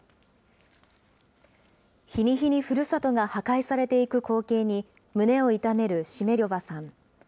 日に日にふるさとが破壊されていく光景に胸を痛めるシメリョヴァさん。